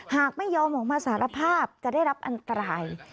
หากไม่ยอมออกมาสารภาพจะได้รับอันตราย